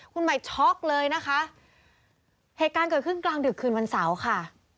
คุณใหม่ช็อกเลยนะคะเหตุการณ์เกิดขึ้นกลางดึกคืนวันเสาร์ค่ะ